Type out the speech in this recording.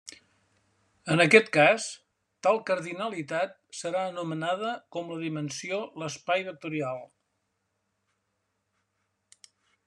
En aquest cas, tal cardinalitat serà anomenada com la dimensió l'espai vectorial.